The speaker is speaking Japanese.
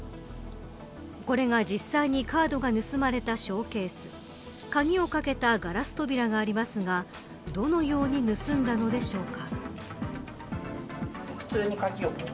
これが実際にカードが盗まれたショーケース鍵をかけたガラス扉がありますがどのように盗んだのでしょうか。